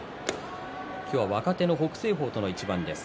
今日は若手の北青鵬との一番です。